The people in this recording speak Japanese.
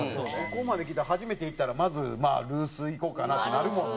ここまで聞いたら初めて行ったらまずルースいこうかなってなるもんね。